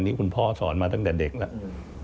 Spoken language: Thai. นี่คุณพ่อสอนมาตั้งแต่เด็กแล้ว